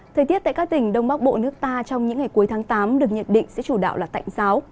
thời tiết tại các tỉnh đông bắc bộ nước ta trong những ngày cuối tháng tám được nhận định sẽ chủ đạo là tạnh giáo